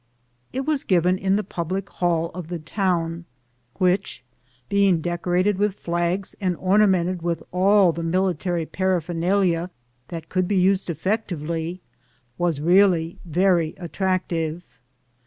It was given in the public hall of the town, which, being decorated with flags and ornamented with all the mili tary paraphernalia that could be used effectively, was really very attractive.